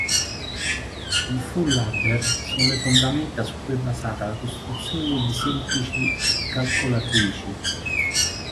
I full-adder sono le fondamenta su cui è basata la costruzione di semplici calcolatrici.